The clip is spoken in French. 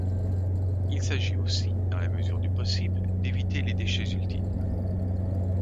Il s'agit aussi - dans la mesure du possible - d'éviter les déchets ultimes.